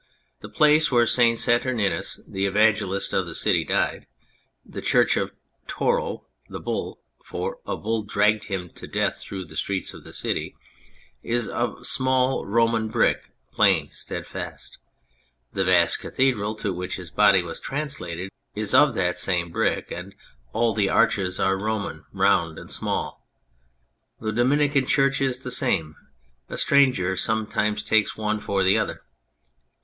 The place where St. Saturninus, the evangelist of the city, died the church of the "Toro," the Bull (fora bull dragged him to death through the streets of the city) is of small Roman brick, plain, steadfast. The vast cathedral to which his body was translated is of that same brick, and all the arches are Roman, round and small. The Dominican Church is the same ; a stranger some times takes one for the other.